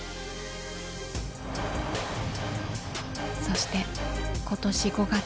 そして今年５月。